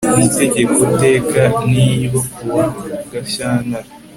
n Itegeko teka n ryo kuwa Gashyantare